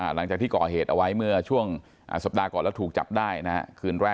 หลังจากที่ก่อเหตุเอาไว้เมื่อช่วงสัปดาห์ก่อนแล้วถูกจับได้คืนแรก